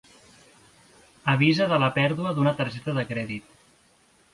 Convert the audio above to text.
Avisa de la pèrdua d'una targeta de crèdit.